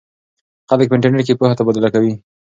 خلک په انټرنیټ کې پوهه تبادله کوي.